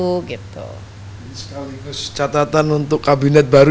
sekaligus catatan untuk kabinet baru